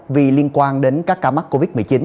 vì liên quan đến các ca mắc covid một mươi chín